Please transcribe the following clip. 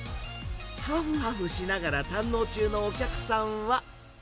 はふはふしながら堪能中のお客さんは。